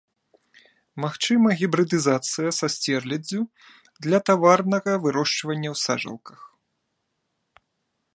Магчыма гібрыдызацыя з сцерляддзю для таварнага вырошчвання ў сажалках.